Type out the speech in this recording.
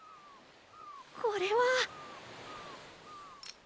これは。